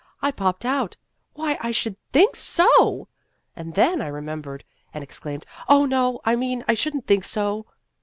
I popped out, * Why, I should think so !' and then I remembered and exclaimed, ' Oh, no ! I mean I should n't think so.'